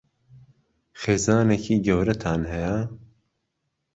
خێزانێکی گەورەتان هەیە؟